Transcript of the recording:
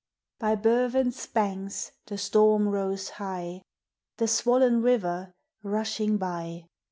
"By Berwen's banks the storm rose high, The swollen river rushing by!